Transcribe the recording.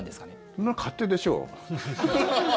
そんなの勝手でしょう。